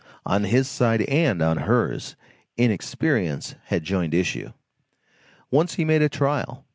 On his side and on hers, inexperience had joined issue. Once he made a trial.